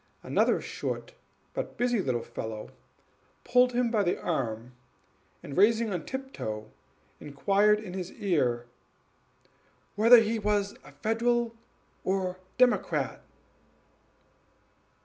Another short but busy little fellow pulled him by the arm, and, rising on tiptoe, inquired in his ear, "Whether he was Federal or Democrat?"